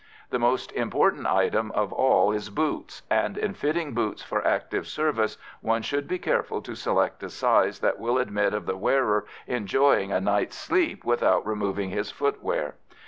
The most important item of all is boots, and in fitting boots for active service one should be careful to select a size that will admit of the wearer enjoying a night's sleep without removing his footwear.